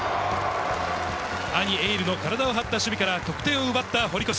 兄、瑛琉の体を張った守備から得点を奪った堀越。